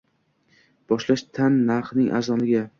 Boshlash tan narxining arzonligi